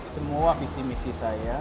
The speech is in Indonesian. semua visi misi saya